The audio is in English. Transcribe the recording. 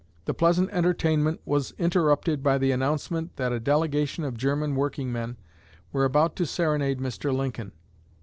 The pleasant entertainment was interrupted by the announcement that a delegation of German workingmen were about to serenade Mr. Lincoln.